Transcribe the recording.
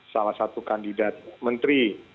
salah satu kandidat menteri